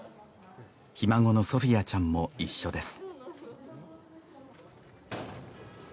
ひ孫のソフィアちゃんも一緒です